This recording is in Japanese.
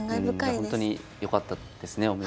ほんとによかったですね。